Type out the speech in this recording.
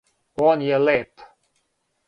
Он је леп!